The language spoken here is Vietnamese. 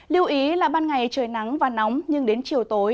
lưu ý là ban ngày trời nắng và nóng nhưng đến chiều tối